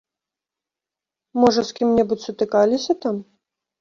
Можа з кім-небудзь сутыкаліся там?